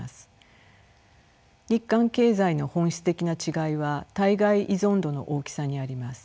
日韓経済の本質的な違いは対外依存度の大きさにあります。